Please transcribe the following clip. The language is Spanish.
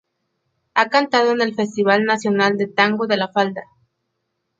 Ha cantado en el Festival Nacional de Tango de La Falda.